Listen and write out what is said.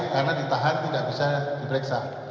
karena ditahan tidak bisa diperiksa